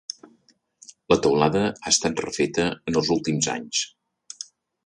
La teulada ha estat refeta en els últims anys.